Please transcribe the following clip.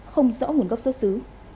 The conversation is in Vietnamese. không rõ nguồn gốc xuất xứ